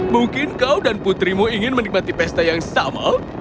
mungkin kau dan putrimu ingin menikmati pesta yang sama